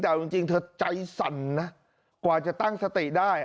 แต่เอาจริงเธอใจสั่นนะกว่าจะตั้งสติได้